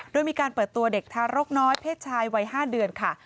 โดยมีการเปิดตัวเด็กทารกน้อยเพศชายวัย๕เดือนค่ะ